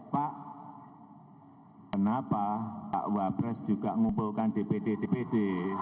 pak kenapa pak wabres juga mengumpulkan dpd dpd